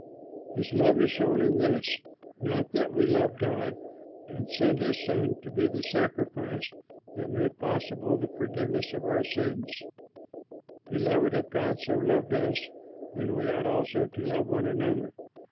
His love is shown in this, not that we loved God, but that he loved us and sent his Son to be the sacrifice that made possible the forgiveness of our sins. Beloved, if God so loved us, then we ought also to love one another.